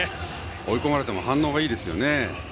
追い込まれても反応がいいですよね。